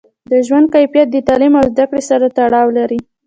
د ژوند کیفیت د تعلیم او زده کړې سره تړاو لري.